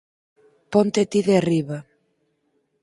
Ponte ti de riba.